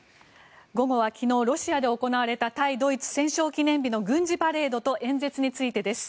午後は昨日ロシアで行われた対ドイツ戦勝記念日の軍事パレードと演説についてです。